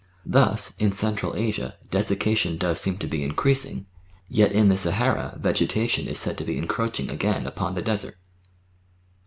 Thus, in Central Asia 763 764 The Outline of Science desiccation does seem to be increasing, yet in the Sahara vegeta tion is said to be encroaching again upon the desert.